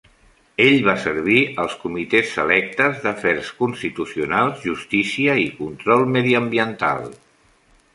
Ell va servir als comitès selectes d'afers constitucionals, justícia i control mediambiental.